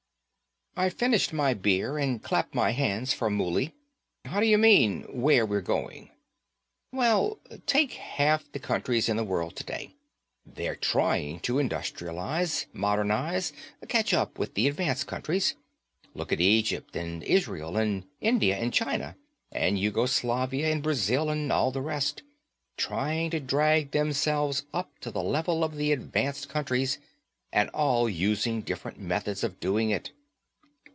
I finished my beer and clapped my hands for Mouley. "How do you mean, where we're going?" "Well, take half the countries in the world today. They're trying to industrialize, modernize, catch up with the advanced countries. Look at Egypt, and Israel, and India and China, and Yugoslavia and Brazil, and all the rest. Trying to drag themselves up to the level of the advanced countries, and all using different methods of doing it.